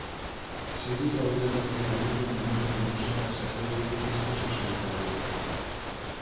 Seguiu traballando activamente no mundo da música e sacou dous discos en Solitario.